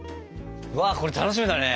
うわっこれ楽しみだね！